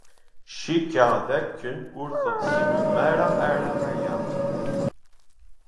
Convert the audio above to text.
Cikkeɣ dakken ur teɣsem ara aya.